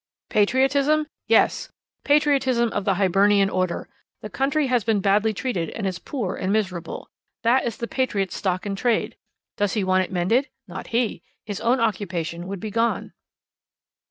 'Patriotism? Yes! Patriotism of the Hibernian order. The country has been badly treated, and is poor and miserable. This is the patriot's stock in trade. Does he want it mended? Not he. His own occupation would be gone.'